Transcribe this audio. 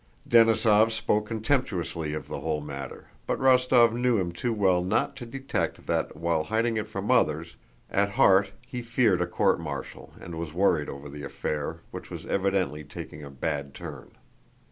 Denísov spoke contemptuously of the whole matter, but Rostóv knew him too well not to detect that (while hiding it from others) at heart he feared a court martial and was worried over the affair, which was evidently taking a bad turn.